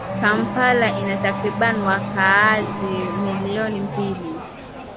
Kampala ina takribani wakazi milioni mbili